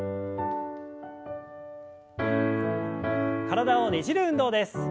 体をねじる運動です。